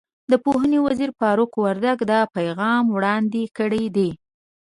د پوهنې وزیر فاروق وردګ دا پیغام وړاندې کړی دی.